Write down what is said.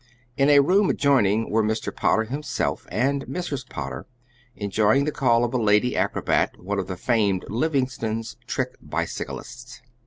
In a room adjoining were Mr. Potter himself and Mrs. Potter enjoying the call of a lady acrobat, one of the famed Livingstons, trick bicyclists.